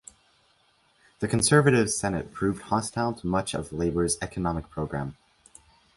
The conservative Senate proved hostile to much of Labor's economic program.